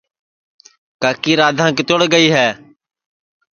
کاکی رادھاں کیتوڑ گئی ہے